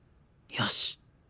「よし！」